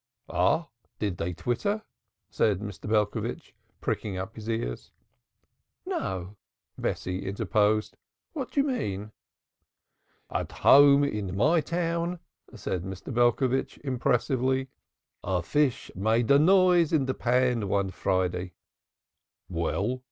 "Ah, did they twitter?" said Mr. Belcovitch, pricking up his ears. "No," Bessie interposed. "What do you mean?" "At home in my town," said Mr. Belcovitch impressively, "a fish made a noise in the pan one Friday." "Well?